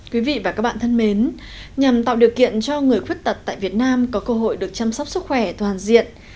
quý vị và các bạn thân mến nhằm tạo điều kiện cho người khuyết tật tại việt nam có cơ hội được chăm sóc sức khỏe toàn diện